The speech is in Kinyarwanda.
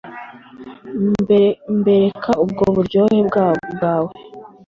mbereka ubwo buryohe bwawe